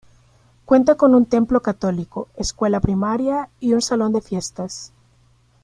Cuenta con un templo católico, escuela primaria y un salón de fiestas.